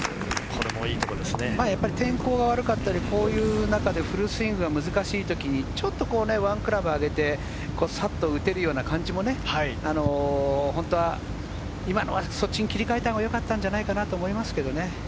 天候が悪かったり、こういう中でフルスイングが難しいときにワンクラブ上げてさっと打てるような感じもそっちに切り替えたほうがよかったのかなと思いますけどね。